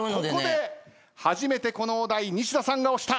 初めてこのお題西田さんが押した。